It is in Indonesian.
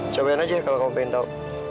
cobain aja kalau kamu pengen tau